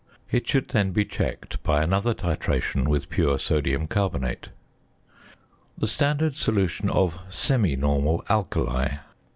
It should then be checked by another titration with pure sodium carbonate. _The standard solution of semi normal "alkali."